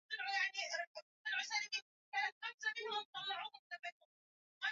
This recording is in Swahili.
maisha yake ya mapambano ya kutetea mazingira haki za wanyonge na kupigania demokrasia na